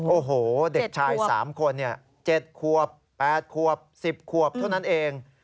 โอ้โหเด็กชาย๓คน๗ขวบ๘ขวบ๑๐ขวบเท่านั้นเอง